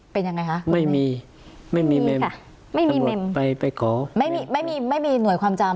เป็นยังไงคะไม่มีไม่มีไม่มีไม่มีไม่มีหน่วยความจำ